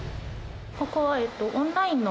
ここは。